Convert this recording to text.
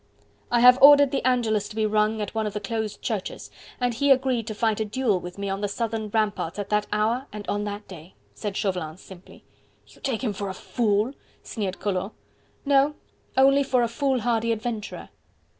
"I have ordered the Angelus to be rung at one of the closed churches, and he agreed to fight a duel with me on the southern ramparts at that hour and on that day," said Chauvelin simply. "You take him for a fool?" sneered Collot. "No, only for a foolhardy adventurer."